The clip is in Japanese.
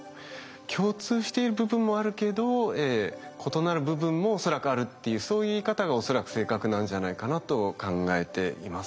共通している部分もあるけど異なる部分も恐らくあるっていうそういう言い方が恐らく正確なんじゃないかなと考えています。